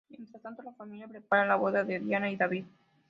Mientras tanto, la familia prepara la boda de Diana y David.